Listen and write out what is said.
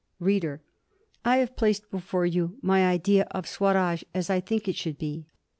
READER: I have placed before you my idea of Swaraj as I think it should be.